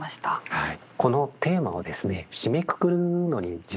はい。